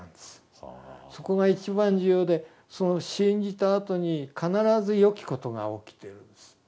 そこが一番重要でその信じたあとに必ずよきことが起きてるんです。